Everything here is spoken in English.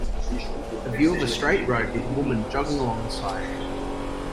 A view of a straight road with a woman jogging along the side.